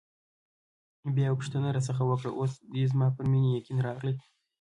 بیا یې پوښتنه راڅخه وکړه: اوس دې زما پر مینې یقین راغلی؟